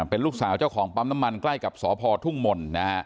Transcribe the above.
เป็นลูกสาวเจ้าของปั๊มน้ำมันใกล้กับสพทุ่งมนต์นะฮะ